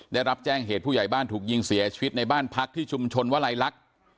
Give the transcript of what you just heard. ได้รับแจ้งเหตุผู้ใหญ่บ้านถูกยิงเสียชีวิตในบ้านพักที่ชุมชนวลัยลักษณ์